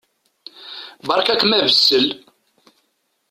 Beṛka-kem abessel.